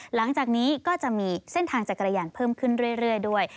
หลังจากนี้ก็จะมีเส้นทางจักรยานเพิ่มขึ้นเรื่อยด้วย